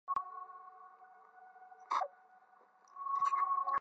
解梦也是古埃及人用来瞭解如何使身体健康的方法之一。